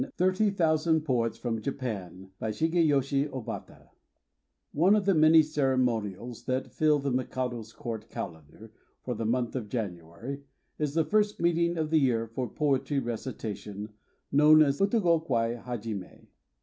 THIRTY THOUSAND POETS FROM JAPAN By Shigeyoshi Obata ONE of the many ceremonials that fill the Mikado's court calendar for the month of January is the first meeting of the year for poetry recita tion, known as the Uta Go kwai Ha jime.